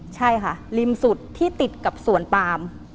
ใช่ค่ะริมสุดที่ติดกับสวนปาม